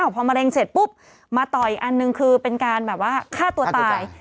พอมะเร็งเสร็จปุ๊บมาต่ออีกอันหนึ่งคือเป็นการแบบว่าฆ่าตัวตาย